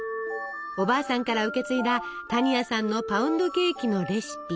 おばあさんから受け継いだ多仁亜さんのパウンドケーキのレシピ。